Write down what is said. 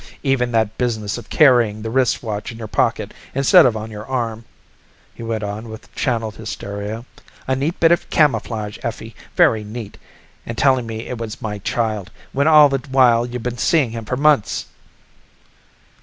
"Even that business of carrying the wristwatch in your pocket instead of on your arm," he went on with channeled hysteria. "A neat bit of camouflage, Effie. Very neat. And telling me it was my child, when all the while you've been seeing him for months!"